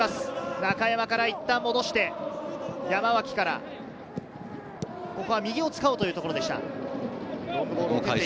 中山から一旦戻して、山脇からここは右を使おうというところでした。